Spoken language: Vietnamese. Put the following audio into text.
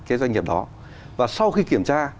cái doanh nghiệp đó và sau khi kiểm tra